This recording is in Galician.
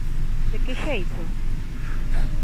¿De que xeito?